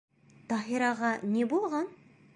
Таһираға ни булған?